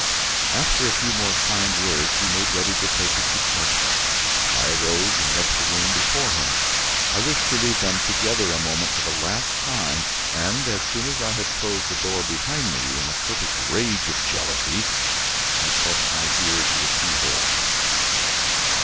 After a few more kind words, he made ready to take his departure. I arose and left the room before him; I wished to leave them together a moment for the last time and, as soon as I had closed the door behind me, in a perfect rage of jealousy, I pressed my ear to the keyhole.